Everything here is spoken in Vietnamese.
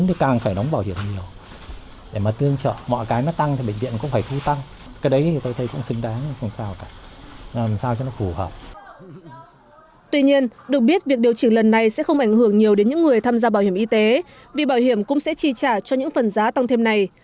vì bảo hiểm cũng sẽ chi trả cho những phần giá tăng thêm này